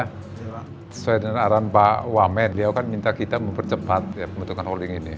sesuai dengan arahan pak wamed dia akan minta kita mempercepat pembentukan holding ini